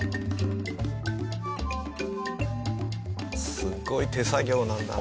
すごい手作業なんだな。